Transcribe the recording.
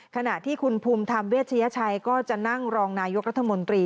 ขณะที่คุณภูมิธรรมเวชยชัยก็จะนั่งรองนายกรัฐมนตรี